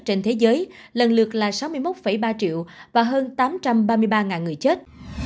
trên thế giới lần lượt là sáu mươi một ba triệu và hơn tám trăm ba mươi ba người chết